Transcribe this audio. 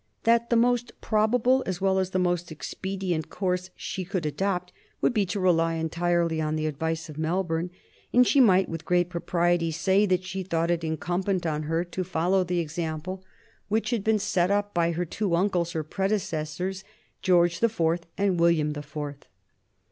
That the most probable as well as the most expedient course she could adopt would be to rely entirely on the advice of Melbourne, and she might with great propriety say that she thought it incumbent on her to follow the example which had been set by her two uncles, her predecessors, George the Fourth and William the Fourth."